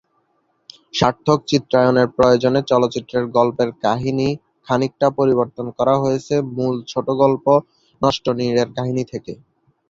সার্থক চিত্রায়নের প্রয়োজনে চলচ্চিত্রের গল্পের কাহিনী খানিকটা পরিবর্তন করা হয়েছে মূল ছোটগল্প নষ্টনীড়-এর কাহিনী থেকে।